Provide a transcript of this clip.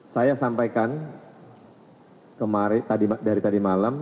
saya sampaikan dari tadi malam